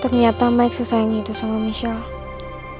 ternyata mike selesai nge hitung sama michelle